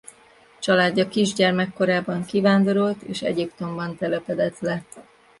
Családja kisgyermekkorában kivándorolt és Egyiptomban telepedett le.